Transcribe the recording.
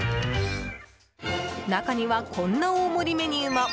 中には、こんな大盛りメニューも。